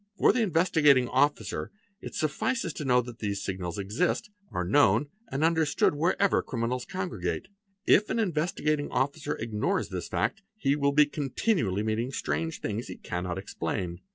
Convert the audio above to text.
For the Investigating Officer it suffices to know that these signals exist, are : known, and understood wherever criminals congregate. If an Investi — gating Officer ignores this fact, he will be continually meeting strange — things he cannot explain.